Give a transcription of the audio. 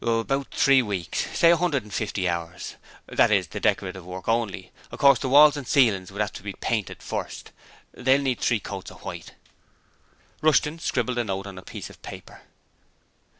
'About three weeks: say 150 hours. That is the decorative work only. Of course, the walls and ceiling would have to be painted first: they will need three coats of white.' Rushton scribbled a note on a piece of paper.